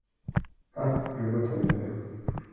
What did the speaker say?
Ah ! je vois ton affaire !…